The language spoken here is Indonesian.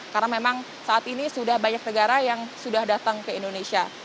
karena memang saat ini sudah banyak negara yang sudah datang ke indonesia